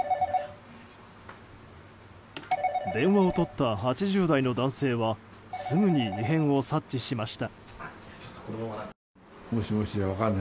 電話を取った８０代の男性はすぐに異変を察知しました。